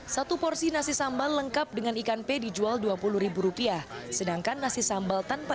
satu porsi nasi sambal lengkap dengan ikan pe dijual dua puluh rupiah sedangkan nasi sambal tanpa